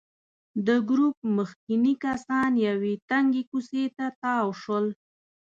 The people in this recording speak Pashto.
د ګروپ مخکېني کسان یوې تنګې کوڅې ته تاو شول.